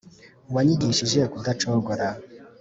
wanyigishije kudacogora,